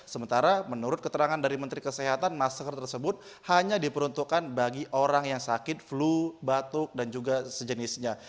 sementara menurut keterangan dari menteri kesehatan masker tersebut hanya diperuntukkan bagi orang yang sakit flu batuk dan juga sejenisnya